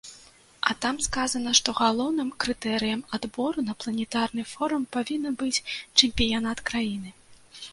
А там сказана, што галоўным крытэрыем адбору на планетарны форум павінен быць чэмпіянат краіны.